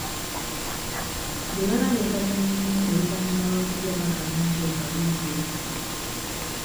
Bwe baba beebaza nnyinimu oluvannyuma lw’okulya bagamba nti ogabbudde.